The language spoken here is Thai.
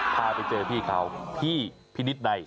พาไปเจอพี่เขาพี่พินิษฐ์ใน